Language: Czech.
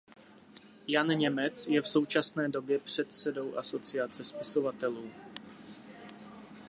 Jan Němec je v současné době předsedou Asociace spisovatelů.